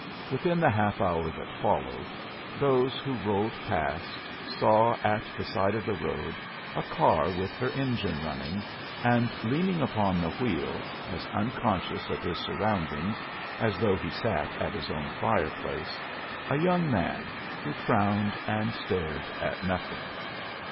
Within the half hour that followed those who rolled past saw at the side of the road a car with her engine running, and leaning upon the wheel, as unconscious of his surroundings as though he sat at his own fireplace, a young man who frowned and stared at nothing.